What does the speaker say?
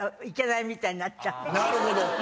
なるほど！